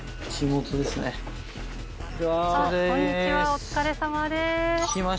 お疲れさまです。